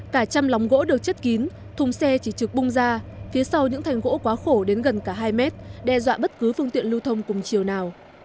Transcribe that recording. cả trăm lóng gỗ được chất kín thùng xe chỉ trực bung ra phía sau những thành gỗ quá khổ đến gần cả hai mét đe dọa bất cứ phương tiện lưu thông cùng chiều nào